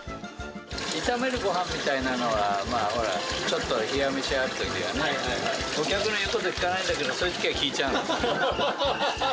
炒めるごはんみたいなのは、まあ、ほら、ちょっと冷や飯があるときはね、お客の言うこと聞かないんだけど、そういうときは聞いちゃいます。